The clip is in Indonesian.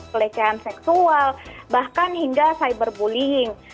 pelecehan seksual bahkan hingga cyberbullying